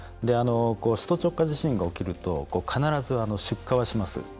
首都直下地震が起こると必ず出火はします。